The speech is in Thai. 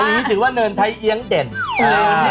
อันนี้ถือว่าเนินไทยเอี๊ยงเด่น